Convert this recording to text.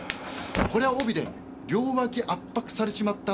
こりゃ帯で両ワキ圧迫されちまったね。